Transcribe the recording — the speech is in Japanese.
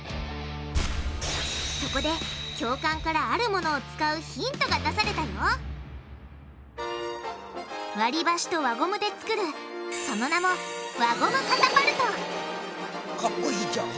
そこで教官からあるものを使うヒントが出されたよ割りばしと輪ゴムで作るその名もかっこいいじゃん。